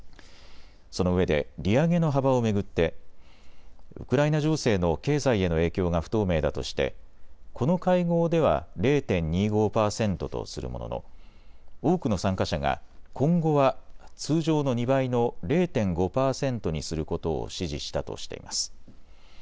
そのうえで利上げの幅を巡ってウクライナ情勢の経済への影響が不透明だとしてこの会合では０．２５％とするものの多くの参加者が今後は通常の２倍の０．５％にすることを支持したとしています。